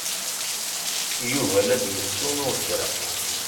Yuba la d-yessunuɣ kra.